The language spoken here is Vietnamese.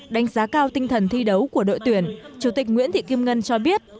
đánh giá cao tinh thần thi đấu của đội tuyển chủ tịch nguyễn thị kim ngân cho biết